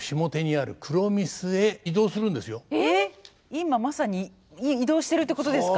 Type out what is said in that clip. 今まさに移動してるってことですか？